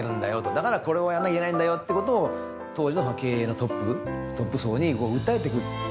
だからこれをやんなきゃいけないんだよってことを当時の経営のトップ層に訴えていく。